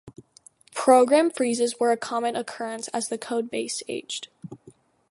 Program freezes were a common occurrence as the code base aged.